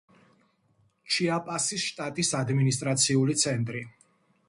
ჩიაპასის შტატის ადმინისტრაციული ცენტრი.